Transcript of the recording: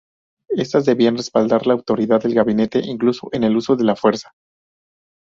Estas debían respaldar la autoridad del gabinete, incluso con el uso de la fuerza.